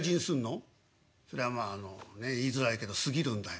「そりゃまあねえ言いづらいけど過ぎるんだよ」。